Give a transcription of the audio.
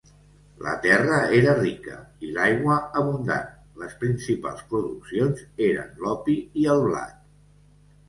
La terra era rica i l'aigua abundant; les principals produccions eren l'opi i el blat.